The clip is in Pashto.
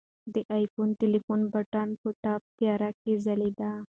د آیفون ټلیفون بټن په تپ تیاره کې ځلېدله.